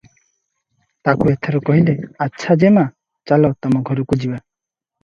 ତାକୁ ଏଥର କହିଲେ- "ଆଚ୍ଛା, ଯେମା, ଚାଲ ତମ ଘରକୁ ଯିବା ।